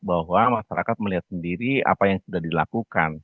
bahwa masyarakat melihat sendiri apa yang sudah dilakukan